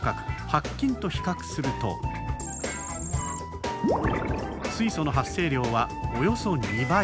白金と比較すると水素の発生量はおよそ２倍。